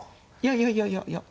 いやいやいやいや。